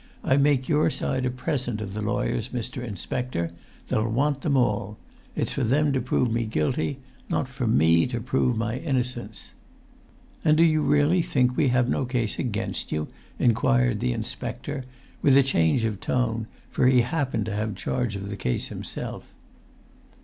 I make your side a present of the lawyers, Mr. Inspector; they'll want them all. It's for them to prove me guilty, not for me to prove my innocence." [Pg 147]"And do you really think we have no case against you?" inquired the inspector, with a change of tone, for he happened to have charge of the case himself.